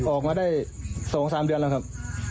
ออกมาได้สองสามเดือนแล้วครับ